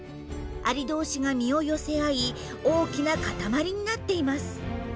アリ同士が身を寄せ合い大きな固まりになっています。